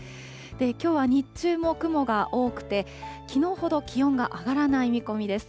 きょうは日中も雲が多くて、きのうほど気温が上がらない見込みです。